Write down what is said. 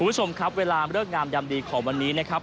คุณผู้ชมครับเวลาเลิกงามยามดีของวันนี้นะครับ